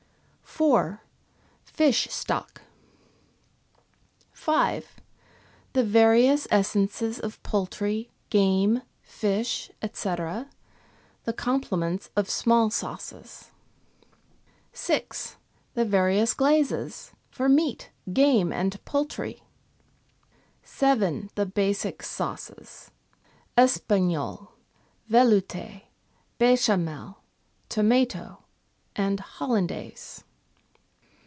4. Fish stock. 5. The various essences of poultry, game, fish, &c., the complements of small sauces. 6. The various glazes : for meat, game, and poultry. 7. The basic sauces : Espagnole, Veloute, Bechamel, Tomato, and Hollandaise.